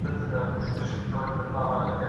مطالعه کوونکی کس خپل قوي نظر لري.